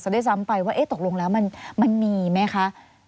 จะได้จำไปว่าเอ๊ะตกลงแล้วมันมีไหมคะ